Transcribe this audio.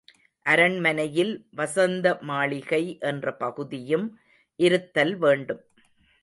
அரண்மனையில் வஸந்த மாளிகை என்ற பகுதியும் இருத்தல் வேண்டும்.